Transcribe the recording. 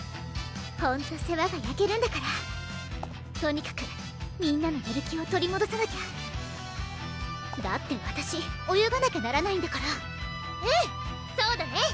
ほんと世話がやけるんだからとにかくみんなのやる気を取りもどさなきゃだってわたし泳がなきゃならないんだからうんそうだね！